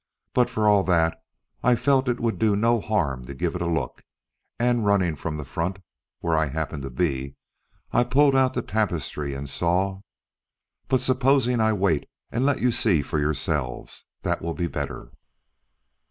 But for all that I felt it would do no harm to give it a look, and running from the front, where I happened to be, I pulled out the tapestry and saw but supposing I wait and let you see for yourselves. That will be better."